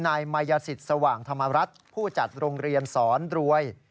นายมายสิทธิ์สว่างธรรมรัฐผู้จัดโรงเรียนสอนรวย